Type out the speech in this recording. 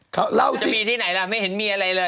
เขาเล่าจะมีที่ไหนล่ะไม่เห็นมีอะไรเลย